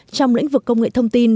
trong lĩnh vực công nghệ thông tin